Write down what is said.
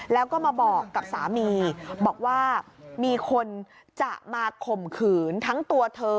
แล้วก็มาบอกกับสามีบอกว่ามีคนจะมาข่มขืนทั้งตัวเธอ